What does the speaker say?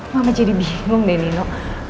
mama jadi bingung deh nino